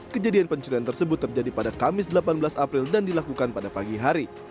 kejadian pencurian tersebut terjadi pada kamis delapan belas april dan dilakukan pada pagi hari